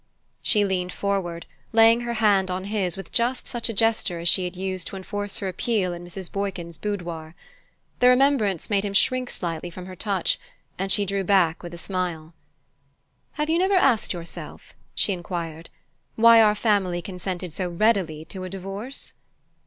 She leaned forward, laying her hand on his with just such a gesture as she had used to enforce her appeal in Mrs. Boykin's boudoir. The remembrance made him shrink slightly from her touch, and she drew back with a smile. "Have you never asked yourself," she enquired, "why our family consented so readily to a divorce?"